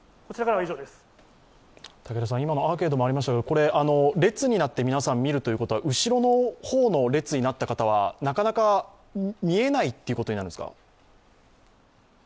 今のアーケードもありましたが、列になって皆さん見るということは、後ろの方の列になった方は、なかなか見えないということなんですか？